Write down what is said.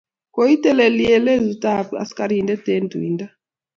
koiteli eng' letutab askarinte eng' tuindo.